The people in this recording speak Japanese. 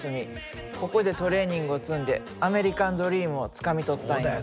ここでトレーニングを積んでアメリカンドリームをつかみ取ったんや。